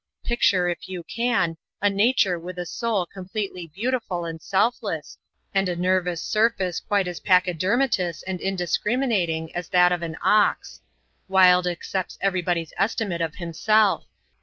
Picture, if you can, a nature with a soul completely beautiful and selfless, and a nervous surface quite as pachydermatous and indiscriminating as that of an ox. Wilde accepts everybody's estimate of himself.